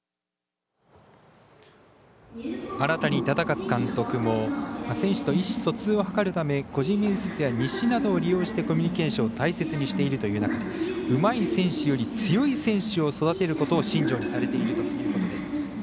忠勝監督も選手と意思疎通を図るため個人面接や日誌などを利用してコミュニケーションを大切にしているという中でうまい選手より強い選手を育てることを信条にされているということです。